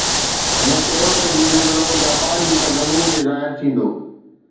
هن چيو ته هي زلزلو جاپان جي سرزمين تي ظاهر ٿيندو.